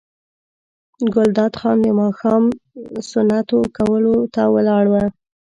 ګلداد خان د ماښام سنتو کولو ته ولاړ و.